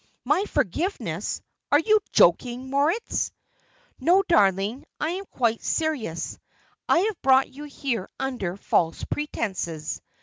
"My forgiveness! Are you joking, Moritz?" "No, darling, I am quite serious. I have brought you here under false pretences.